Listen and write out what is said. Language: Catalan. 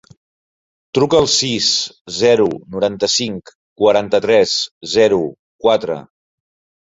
Truca al sis, zero, noranta-cinc, quaranta-tres, zero, quatre.